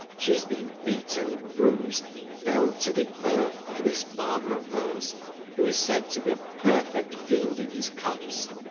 She has been beaten, bruised, felled to the earth by this father of hei s, who is said to be a perfect fiend in his cups.